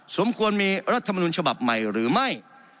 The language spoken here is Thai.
สมควรมีรัฐมนุนฉบับใหม่หรือไม่